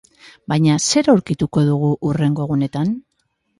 Baina zer aurkituko dugu hurrengo egunetan?